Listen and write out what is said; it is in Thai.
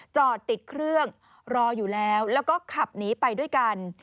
จอดติดเครื่องรออยู่แล้วแล้วก็ขับหนีไปด้วยกัน